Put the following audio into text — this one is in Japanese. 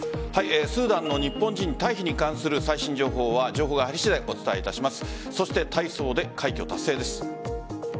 スーダンの日本人退避に関する最新情報が入り次第お伝えします。